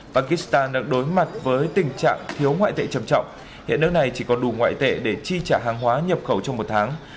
pakistan đang đối mặt với tình trạng thiếu ngoại tệ trầm trọng hiện nước này chỉ có đủ ngoại tệ để chi trả hàng hóa nhập khẩu trong một tháng